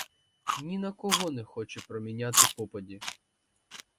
Ні на кого не хоче проміняти попаді.